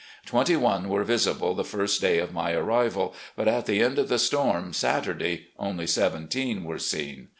Twenty one were visible the first day of my arrival, but at the end of the storm, Saturday, only seventeen were seen.